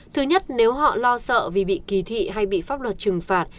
thứ nhất nếu họ lo sợ vì bị kỳ thị hay bị pháp luật trừng phạt